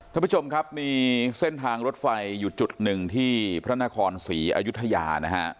ท่านผู้ชมครับมีเส้นทางรถไฟอยู่จุดหนึ่งที่พระนครศรีอยุธยานะฮะ